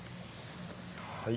はい。